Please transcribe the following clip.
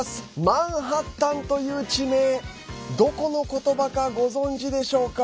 マンハッタンという地名どこのことばかご存じでしょうか。